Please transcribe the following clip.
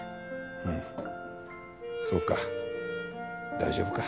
うんそうか大丈夫か。